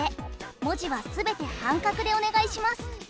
文字は全て半角でお願いします。